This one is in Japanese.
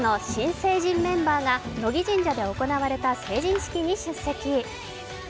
乃木坂４６の新成人メンバーが乃木神社で行われた成人式に出席。